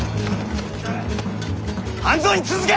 半蔵に続け！